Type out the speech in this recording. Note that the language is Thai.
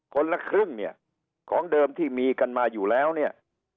คนละครึ่งเนี่ยของเดิมที่มีกันมาอยู่แล้วเนี่ย